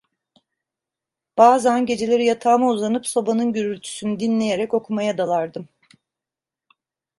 Bazan, geceleri yatağıma uzanıp, sobanın gürültüsünü dinleyerek okumaya dalardım.